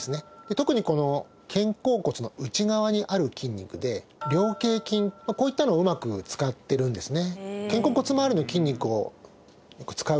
特にこの肩甲骨の内側にある筋肉で菱形筋こういったのをうまく使ってるんですね